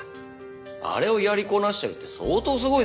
あれをやりこなしてるって相当すごいですよ。